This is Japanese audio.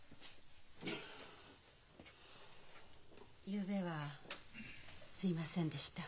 ゆうべはすいませんでした。